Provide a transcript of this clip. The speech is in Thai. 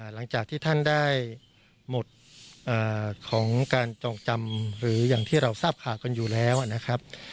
หลังจากที่ท่านได้หมดของการจองจำหรืออย่างที่เราทราบข่าวกันอยู่แล้วนะครับ